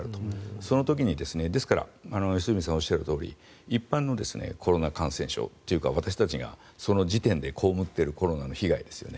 その時に、ですから良純さんがおっしゃるとおり一般のコロナ感染症というか私たちがその時点で被っているコロナの被害ですよね。